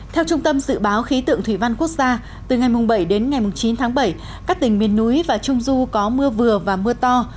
theo trung tâm dự báo khí tượng thủy văn quốc gia từ ngày bảy đến ngày chín tháng bảy các tỉnh miền núi và trung du có mưa vừa và mưa to